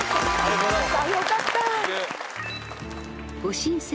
よかった。